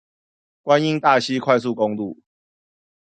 觀音大溪快速公路